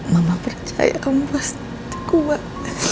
mama percaya kamu pasti kuat